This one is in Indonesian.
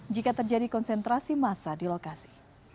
jika terjadi konsentrasi massa di lokasi